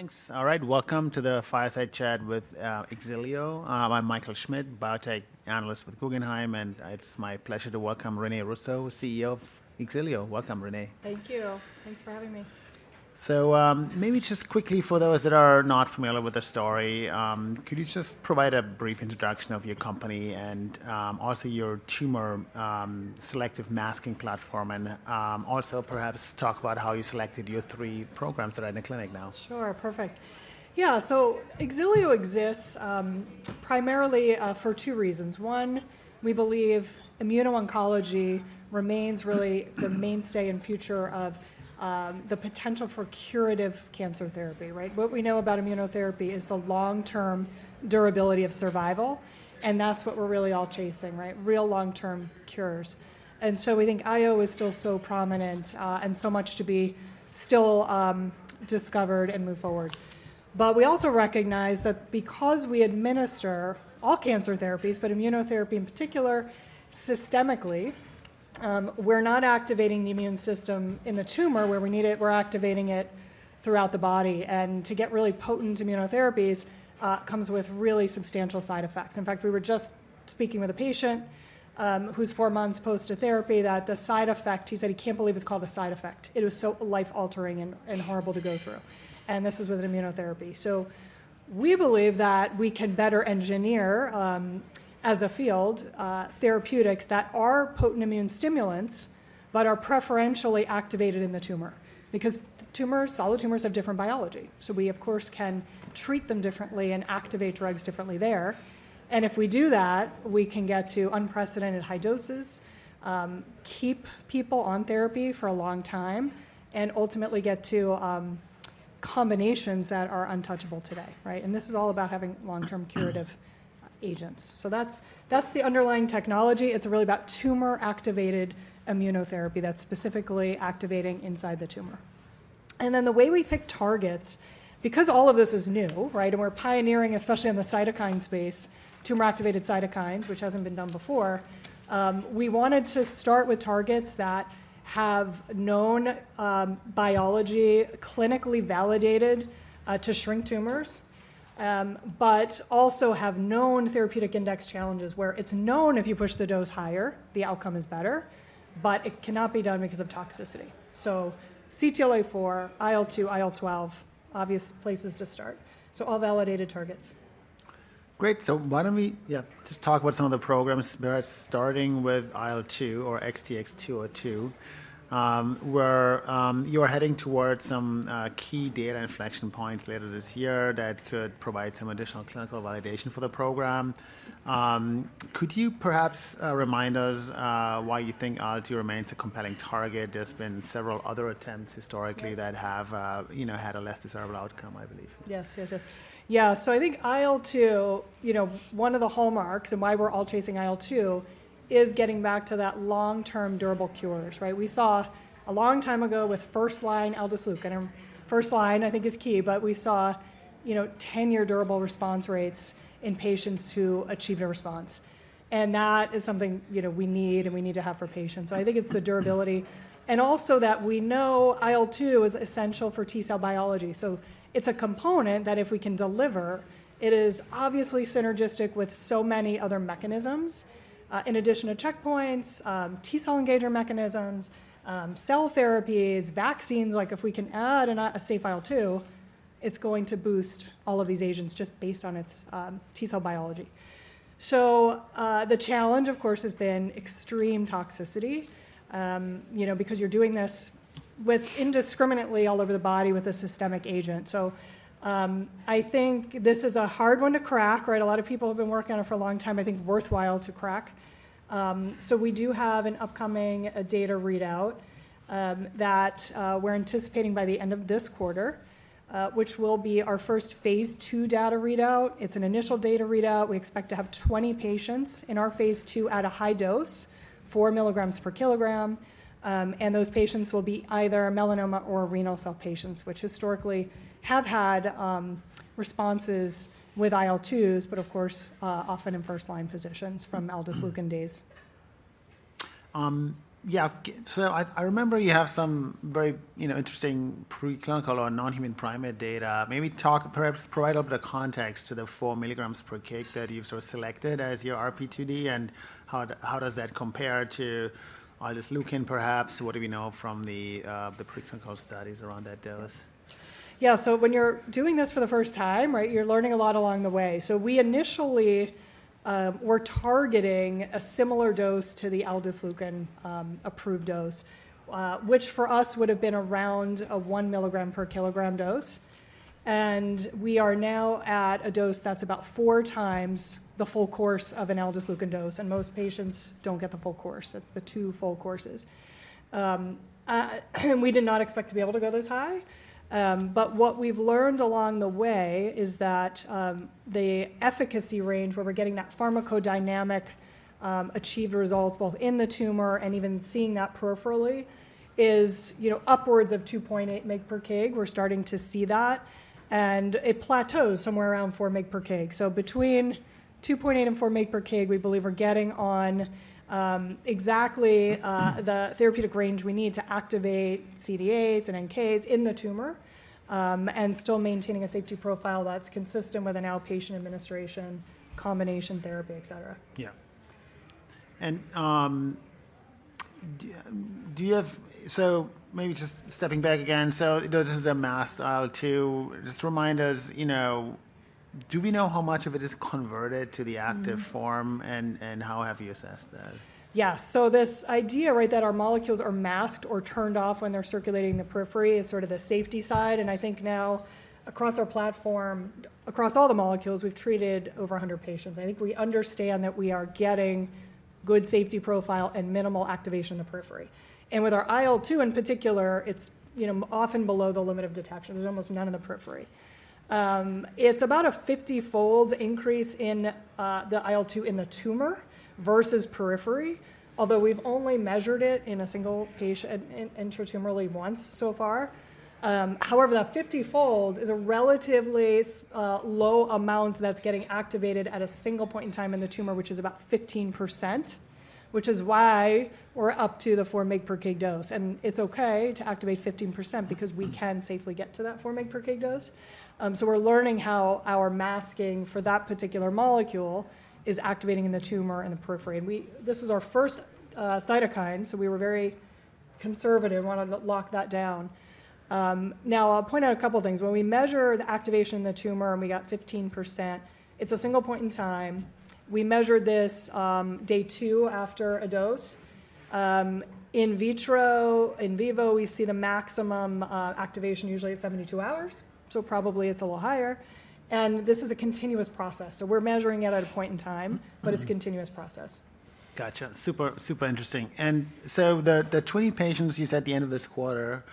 Thanks. All right, welcome to the Fireside Chat with Xilio. I'm Michael Schmidt, biotech analyst with Guggenheim, and it's my pleasure to welcome René Russo, CEO of Xilio. Welcome, René. Thank you. Thanks for having me. Maybe just quickly for those that are not familiar with the story, could you just provide a brief introduction of your company and also your tumor selective masking platform, and also perhaps talk about how you selected your three programs that are in the clinic now? Sure. Perfect. Yeah, so Xilio exists primarily for two reasons. One, we believe immuno-oncology remains really the mainstay and future of the potential for curative cancer therapy, right? What we know about immunotherapy is the long-term durability of survival, and that's what we're really all chasing, right? Real long-term cures. And so we think IO is still so prominent and so much to be still discovered and moved forward. But we also recognize that because we administer all cancer therapies, but immunotherapy in particular, systemically, we're not activating the immune system in the tumor where we need it, we're activating it throughout the body. And to get really potent immunotherapies comes with really substantial side effects. In fact, we were just speaking with a patient, who's four months post-therapy, that the side effect, he said he can't believe it's called a side effect. It was so life-altering and horrible to go through, and this is with an immunotherapy. So we believe that we can better engineer, as a field, therapeutics that are potent immune stimulants, but are preferentially activated in the tumor, because tumors, solid tumors have different biology. So we, of course, can treat them differently and activate drugs differently there. And if we do that, we can get to unprecedented high doses, keep people on therapy for a long time, and ultimately get to combinations that are untouchable today, right? And this is all about having long-term curative agents. So that's the underlying technology. It's really about tumor-activated immunotherapy that's specifically activating inside the tumor. And then the way we pick targets, because all of this is new, right? And we're pioneering, especially in the cytokine space, tumor-activated cytokines, which hasn't been done before, we wanted to start with targets that have known, biology, clinically validated, to shrink tumors, but also have known therapeutic index challenges, where it's known if you push the dose higher, the outcome is better, but it cannot be done because of toxicity. So CTLA-4, IL-2, IL-12, obvious places to start. So all validated targets. Great. So why don't we just talk about some of the programs, perhaps starting with IL-2 or XTX 202, where you are heading towards some key data inflection points later this year that could provide some additional clinical validation for the program. Could you perhaps remind us why you think IL-2 remains a compelling target? There's been several other attempts historically. Yes. -that have, you know, had a less desirable outcome, I believe. Yes, yes, yes. Yeah, so I think IL-2, you know, one of the hallmarks and why we're all chasing IL-2, is getting back to that long-term durable cures, right? We saw a long time ago with first-line aldesleukin, and first-line, I think, is key, but we saw, you know, 10-year durable response rates in patients who achieved a response, and that is something, you know, we need and we need to have for patients. So I think it's the durability, and also that we know IL-2 is essential for T-cell biology. So it's a component that if we can deliver, it is obviously synergistic with so many other mechanisms. In addition to checkpoints, T-cell engager mechanisms, cell therapies, vaccines, like if we can add in a safe IL-2, it's going to boost all of these agents just based on its T-cell biology. The challenge, of course, has been extreme toxicity, you know, because you're doing this with indiscriminately all over the body with a systemic agent. I think this is a hard one to crack, right? A lot of people have been working on it for a long time. I think worthwhile to crack. We do have an upcoming data readout that we're anticipating by the end of this quarter, which will be our first phase II data readout. It's an initial data readout. We expect to have 20 patients in our phase II at a high dose, 4 milligrams per kilogram, and those patients will be either melanoma or renal cell patients, which historically have had responses with IL-2s, but of course, often in first-line positions from aldesleukin days. Yeah. So I remember you have some very, you know, interesting preclinical or non-human primate data. Maybe, perhaps provide a bit of context to the 4 milligrams per kg that you've sort of selected as your RP2D, and how does that compare to aldesleukin, perhaps? What do we know from the preclinical studies around that dose? Yeah, so when you're doing this for the first time, right, you're learning a lot along the way. So we initially were targeting a similar dose to the aldesleukin approved dose, which for us would have been around a 1 mg/kg dose. And we are now at a dose that's about 4 times the full course of an aldesleukin dose, and most patients don't get the full course. That's the 2 full courses. We did not expect to be able to go this high, but what we've learned along the way is that the efficacy range, where we're getting that pharmacodynamic achieved results, both in the tumor and even seeing that peripherally, is, you know, upwards of 2.8 mg/kg. We're starting to see that, and it plateaus somewhere around 4 mg/kg. So between 2.8 and 4 mg per kg, we believe we're getting on, exactly, the therapeutic range we need to activate CD8s and NKs in the tumor, and still maintaining a safety profile that's consistent with an outpatient administration, combination therapy, et cetera. Yeah. And, do you have— So maybe just stepping back again, so, you know, this is a masked IL-2. Just remind us, you know, do we know how much of it is converted to the active form? Mm-hmm. How have you assessed that? Yeah. So this idea, right, that our molecules are masked or turned off when they're circulating in the periphery is sort of the safety side, and I think now across our platform, across all the molecules, we've treated over 100 patients. I think we understand that we are getting good safety profile and minimal activation in the periphery. And with our IL-2 in particular, it's, you know, often below the limit of detection. There's almost none in the periphery. It's about a 50-fold increase in the IL-2 in the tumor versus periphery, although we've only measured it in a single patient, intra-tumorally once so far. However, that 50-fold is a relatively low amount that's getting activated at a single point in time in the tumor, which is about 15%, which is why we're up to the 4 mg per kg dose. It's okay to activate 15% because we can safely get to that 4 mg per kg dose. So we're learning how our masking for that particular molecule is activating in the tumor and the periphery. This is our first cytokine, so we were very conservative, wanted to lock that down. Now, I'll point out a couple of things. When we measure the activation in the tumor and we got 15%, it's a single point in time. We measured this day 2 after a dose. In vitro... In vivo, we see the maximum activation usually at 72 hours, so probably it's a little higher. And this is a continuous process. So we're measuring it at a point in time. Mm-hmm. - but it's a continuous process. Gotcha. Super, super interesting. And so the 20 patients you said at the end of this quarter,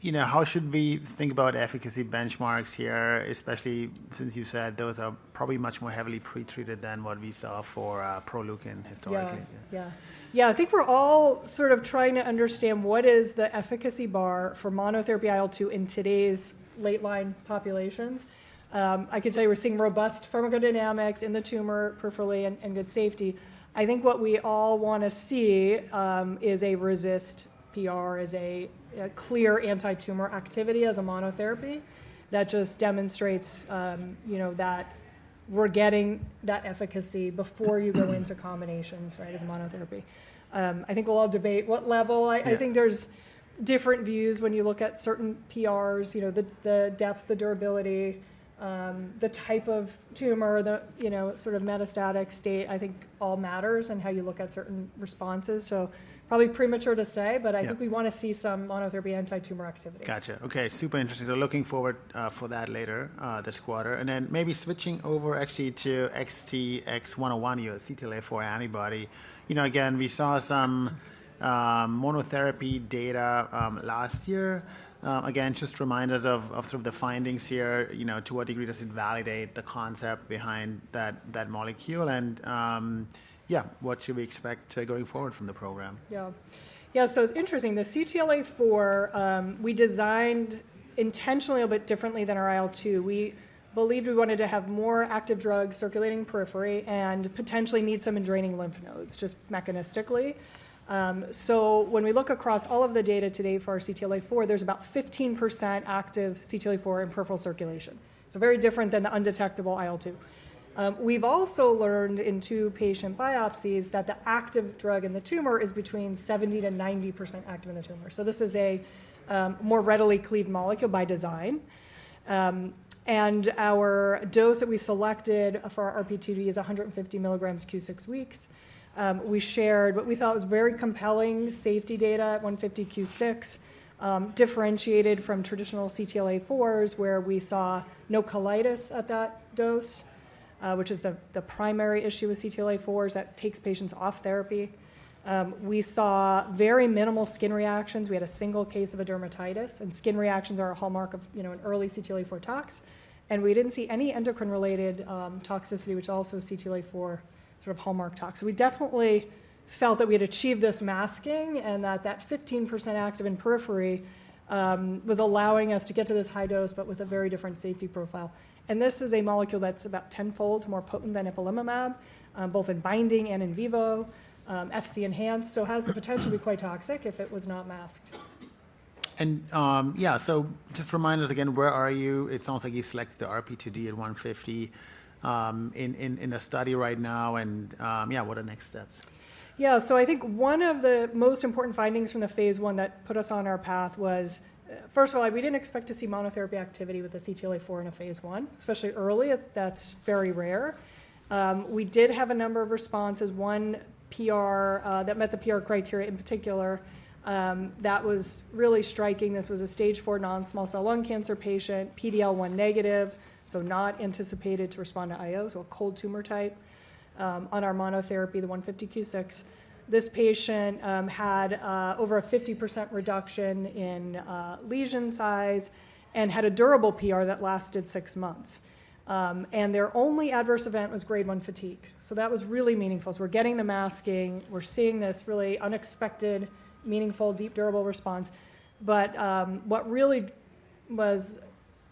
you know, how should we think about efficacy benchmarks here, especially since you said those are probably much more heavily pretreated than what we saw for Proleukin historically? Yeah. Yeah. Yeah, I think we're all sort of trying to understand what is the efficacy bar for monotherapy IL-2 in today's late-line populations. I can tell you we're seeing robust pharmacodynamics in the tumor peripherally and good safety. I think what we all want to see is a RECIST PR, a clear anti-tumor activity as a monotherapy that just demonstrates, you know, that we're getting that efficacy before you go into combinations, right? Yeah. As a monotherapy. I think we'll all debate what level. Yeah. I think there's different views when you look at certain PRs, you know, the depth, the durability, the type of tumor, you know, sort of metastatic state, I think all matters in how you look at certain responses. So probably premature to say- Yeah... but I think we want to see some monotherapy anti-tumor activity. Gotcha. Okay, super interesting. So looking forward, for that later, this quarter. And then maybe switching over actually to XTX101, your CTLA-4 antibody. You know, again, we saw some, monotherapy data, last year. Again, just remind us of, of sort of the findings here. You know, to what degree does it validate the concept behind that, that molecule? And, yeah, what should we expect, going forward from the program? Yeah. Yeah, so it's interesting. The CTLA-4, we designed intentionally a bit differently than our IL-2. We believed we wanted to have more active drug circulating periphery and potentially need some in draining lymph nodes, just mechanistically. So when we look across all of the data today for our CTLA-4, there's about 15% active CTLA-4 in peripheral circulation. So very different than the undetectable IL-2. We've also learned in two patient biopsies that the active drug in the tumor is between 70%-90% active in the tumor. So this is a more readily cleaved molecule by design. And our dose that we selected for our RP2D is 150 mg q 6 weeks. We shared what we thought was very compelling safety data at 150 Q6, differentiated from traditional CTLA-4s, where we saw no colitis at that dose, which is the primary issue with CTLA-4s. That takes patients off therapy. We saw very minimal skin reactions. We had a single case of a dermatitis, and skin reactions are a hallmark of, you know, an early CTLA-4 tox. And we didn't see any endocrine-related toxicity, which is also a CTLA-4 sort of hallmark tox. So we definitely felt that we had achieved this masking and that that 15% active in periphery was allowing us to get to this high dose, but with a very different safety profile. This is a molecule that's about tenfold more potent than ipilimumab, both in binding and in vivo, Fc-enhanced, so has the potential to be quite toxic if it was not masked. Yeah, so just remind us again, where are you? It sounds like you selected the RP2D at 150 in the study right now, and yeah, what are the next steps? Yeah. So I think one of the most important findings from the phase I that put us on our path was—First of all, we didn't expect to see monotherapy activity with the CTLA-4 in a phase I, especially early. That's very rare. We did have a number of responses, 1 PR, that met the PR criteria in particular, that was really striking. This was a stage IV non-small cell lung cancer patient, PD-L1 negative, so not anticipated to respond to IO, so a cold tumor type, on our monotherapy, the 150 q6. This patient had over a 50% reduction in lesion size and had a durable PR that lasted 6 months. And their only adverse event was Grade 1 fatigue, so that was really meaningful. So we're getting the masking. We're seeing this really unexpected, meaningful, deep, durable response. But what really was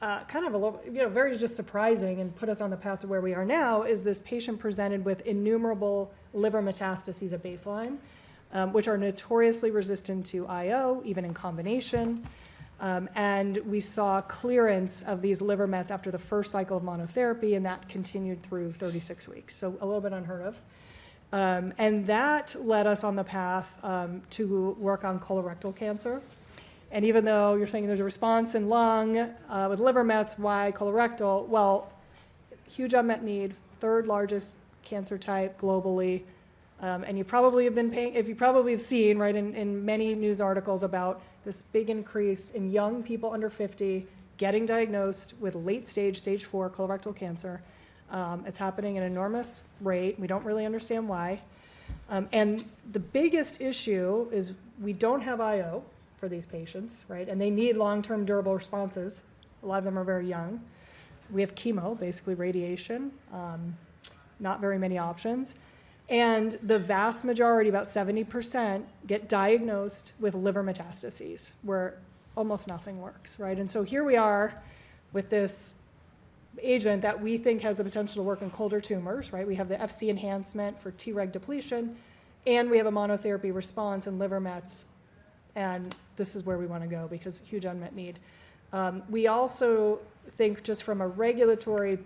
kind of a little, you know, very just surprising and put us on the path to where we are now is this patient presented with innumerable liver metastases at baseline, which are notoriously resistant to IO, even in combination. And we saw clearance of these liver mets after the first cycle of monotherapy, and that continued through 36 weeks. So a little bit unheard of. And that led us on the path to work on colorectal cancer. And even though you're saying there's a response in lung, with liver mets, why colorectal? Well, huge unmet need, third largest cancer type globally. And you probably have been paying—if you probably have seen, right, in many news articles about this big increase in young people under 50 getting diagnosed with late stage, stage 4 colorectal cancer. It's happening at an enormous rate, and we don't really understand why. And the biggest issue is we don't have IO for these patients, right? And they need long-term durable responses. A lot of them are very young. We have chemo, basically radiation, not very many options. And the vast majority, about 70%, get diagnosed with liver metastases, where almost nothing works, right? And so here we are with this agent that we think has the potential to work in colder tumors, right? We have the Fc enhancement for Treg depletion, and we have a monotherapy response in liver mets, and this is where we want to go because huge unmet need. We also think just from a regulatory,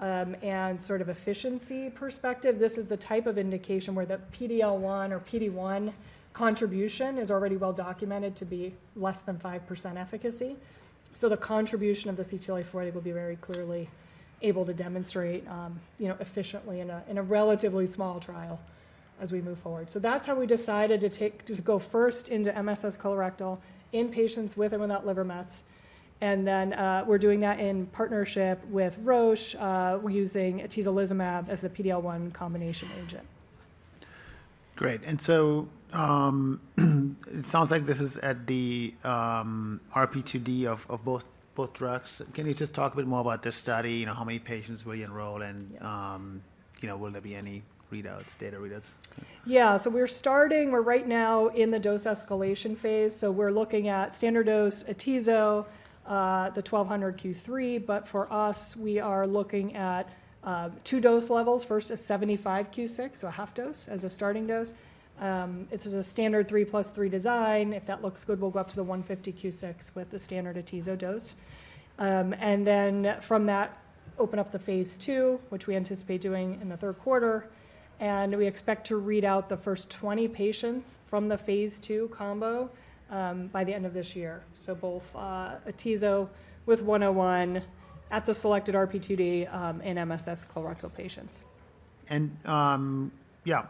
and sort of efficiency perspective, this is the type of indication where the PD-L1 or PD-1 contribution is already well documented to be less than 5% efficacy. So the contribution of the CTLA-4 will be very clearly able to demonstrate, you know, efficiently in a relatively small trial as we move forward. So that's how we decided to go first into MSS colorectal in patients with or without liver mets. And then, we're doing that in partnership with Roche. We're using atezolizumab as the PD-L1 combination agent. Great. And so, it sounds like this is at the RP2D of both drugs. Can you just talk a bit more about this study? You know, how many patients will you enroll, and Yes... you know, will there be any readouts, data readouts? Yeah. So we're starting. We're right now in the dose escalation phase, so we're looking at standard dose atezo, the 1200 Q3. But for us, we are looking at two dose levels. First, a 75 Q6, so a half dose as a starting dose. It is a standard 3 + 3 design. If that looks good, we'll go up to the 150 Q6 with the standard atezo dose. And then from that, open up the phase II, which we anticipate doing in the third quarter, and we expect to read out the first 20 patients from the phase II combo by the end of this year. So both atezo with 101 at the selected RP2D in MSS colorectal patients. Yeah.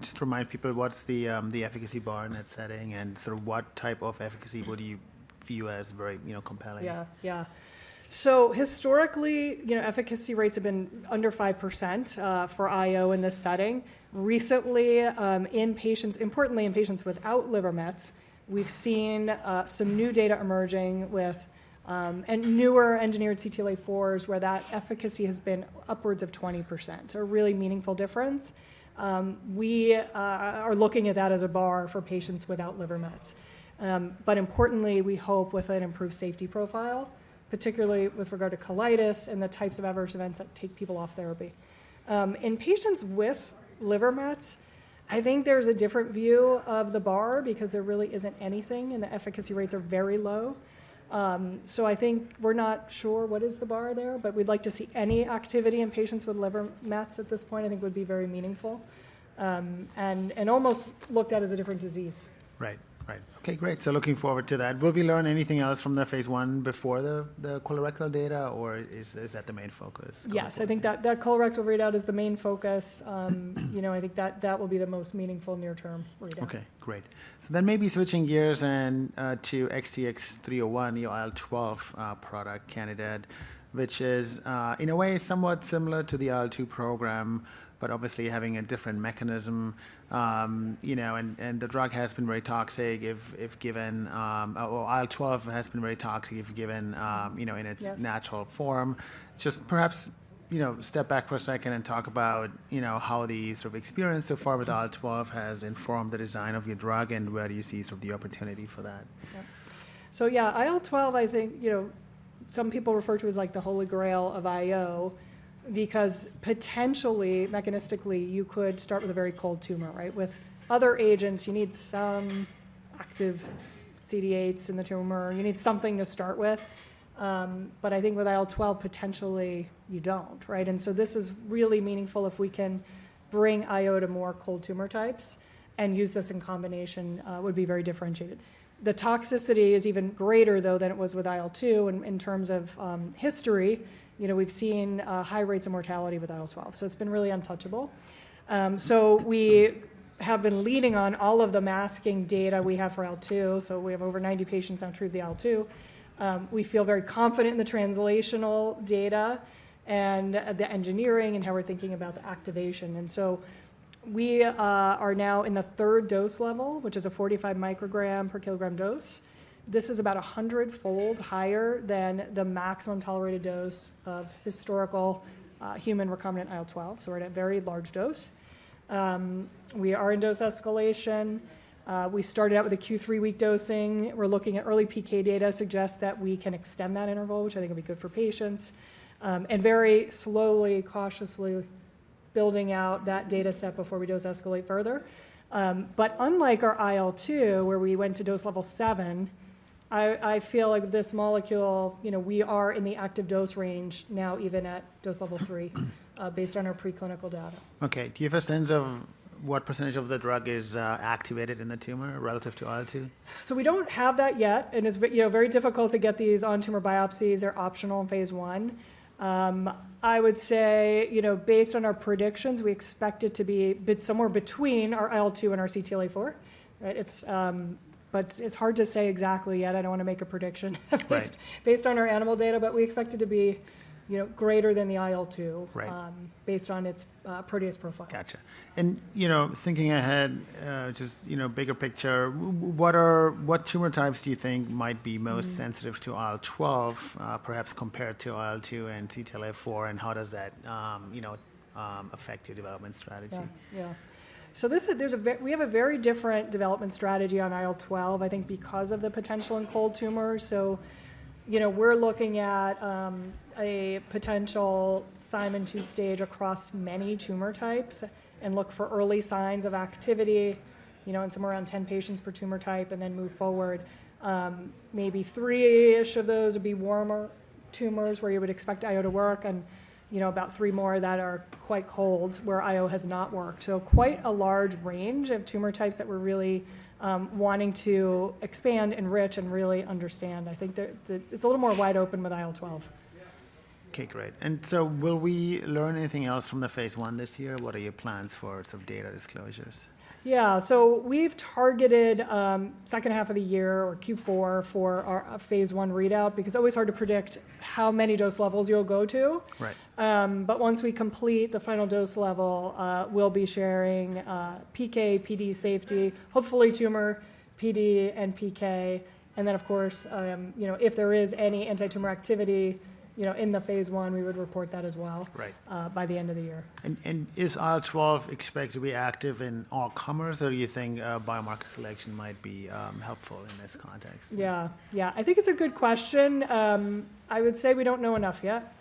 Just to remind people, what's the efficacy bar in that setting? And sort of what type of efficacy would you view as very, you know, compelling? Yeah. Yeah. So historically, you know, efficacy rates have been under 5%, for IO in this setting. Recently, in patients, importantly, in patients without liver mets, we've seen some new data emerging with and newer engineered CTLA-4s, where that efficacy has been upwards of 20%, a really meaningful difference. We are looking at that as a bar for patients without liver mets. But importantly, we hope with an improved safety profile, particularly with regard to colitis and the types of adverse events that take people off therapy. In patients with liver mets, I think there's a different view of the bar because there really isn't anything, and the efficacy rates are very low. So, I think we're not sure what is the bar there, but we'd like to see any activity in patients with liver mets at this point, I think, would be very meaningful, and almost looked at as a different disease. Right. Right. Okay, great. So looking forward to that. Will we learn anything else from the phase I before the, the colorectal data, or is, is that the main focus going forward? Yes, I think that, that colorectal readout is the main focus. You know, I think that, that will be the most meaningful near-term readout. Okay, great. So then maybe switching gears and to XTX-301, your IL-12 product candidate, which is in a way, somewhat similar to the IL-2 program, but obviously having a different mechanism. You know, and the drug has been very toxic if given, or IL-12 has been very toxic if given, you know, in its- Yes... natural form. Just perhaps, you know, step back for a second and talk about, you know, how the sort of experience so far with IL-12 has informed the design of your drug, and where do you see sort of the opportunity for that? Yep. So yeah, IL-12, I think, you know, some people refer to as like the holy grail of IO because potentially, mechanistically, you could start with a very cold tumor, right? With other agents, you need some active CD8s in the tumor. You need something to start with. But I think with IL-12, potentially, you don't, right? And so this is really meaningful if we can bring IO to more cold tumor types and use this in combination, would be very differentiated. The toxicity is even greater, though, than it was with IL-2. In terms of history, you know, we've seen high rates of mortality with IL-12, so it's been really untouchable. So we have been leading on all of the masking data we have for IL-2, so we have over 90 patients on treatment with the IL-2. We feel very confident in the translational data and the engineering and how we're thinking about the activation. And so we are now in the third dose level, which is a 45 microgram per kilogram dose. This is about 100-fold higher than the maximum tolerated dose of historical recombinant human IL-12, so we're at a very large dose. We are in dose escalation. We started out with a Q3-week dosing. We're looking at early PK data, suggests that we can extend that interval, which I think will be good for patients. And very slowly, cautiously building out that data set before we dose escalate further. But unlike our IL-2, where we went to dose level 7-... I feel like this molecule, you know, we are in the active dose range now, even at dose level three, based on our preclinical data. Okay. Do you have a sense of what percentage of the drug is activated in the tumor relative to IL-2? So we don't have that yet, and it's you know, very difficult to get these on-tumor biopsies. They're optional in phase I. I would say, you know, based on our predictions, we expect it to be somewhere between our IL-2 and our CTLA-4, right? It's, but it's hard to say exactly yet. I don't wanna make a prediction at least- Right... based on our animal data, but we expect it to be, you know, greater than the IL-2- Right based on its protease profile. Gotcha. And, you know, thinking ahead, just, you know, bigger picture, what tumor types do you think might be most- Mm-hmm... sensitive to IL-12, perhaps compared to IL-2 and CTLA-4, and how does that, you know, affect your development strategy? Yeah, yeah. So we have a very different development strategy on IL-12, I think, because of the potential in cold tumors. So, you know, we're looking at a potential Simon two-stage across many tumor types and look for early signs of activity, you know, in somewhere around 10 patients per tumor type and then move forward. Maybe 3-ish of those would be warmer tumors, where you would expect IO to work, and, you know, about 3 more that are quite cold, where IO has not worked. So quite a large range of tumor types that we're really wanting to expand, enrich, and really understand. I think. It's a little more wide open with IL-12. Okay, great. And so will we learn anything else from the phase I this year? What are your plans for some data disclosures? Yeah. So we've targeted second half of the year or Q4 for our phase I readout, because it's always hard to predict how many dose levels you'll go to. Right. But once we complete the final dose level, we'll be sharing PK/PD safety, hopefully tumor PD and PK. And then, of course, you know, if there is any anti-tumor activity, you know, in the phase I, we would report that as well- Right... by the end of the year. Is IL-12 expected to be active in all comers, or do you think biomarker selection might be helpful in this context? Yeah. Yeah, I think it's a good question. I would say we don't know enough yet,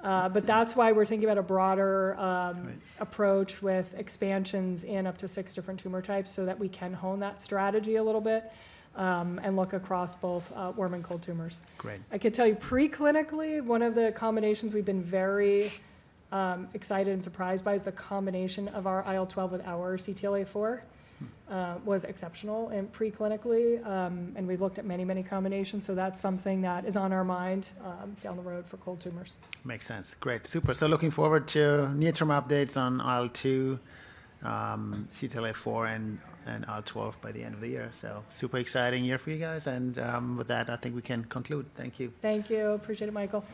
but that's why we're thinking about a broader. Right... approach with expansions in up to six different tumor types, so that we can hone that strategy a little bit, and look across both, warm and cold tumors. Great. I can tell you, preclinically, one of the combinations we've been very excited and surprised by is the combination of our IL-12 with our CTLA-4- Mm... was exceptional in preclinically, and we've looked at many, many combinations, so that's something that is on our mind, down the road for cold tumors. Makes sense. Great. Super. So looking forward to near-term updates on IL-2, CTLA-4, and IL-12 by the end of the year. So super exciting year for you guys, and with that, I think we can conclude. Thank you. Thank you. Appreciate it, Michael.